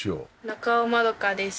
中尾まどかです